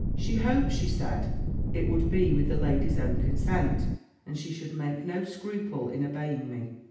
"She hoped, she said, it would be with the lady's own consent, and she should make no scruple in obeying me.